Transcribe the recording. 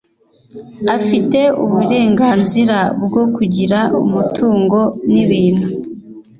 afite uburenganzira bwo kugira umutungo n’ibintu.